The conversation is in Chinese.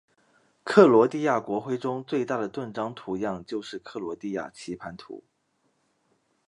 克罗地亚国徽中最大的盾章图样就是克罗地亚棋盘图。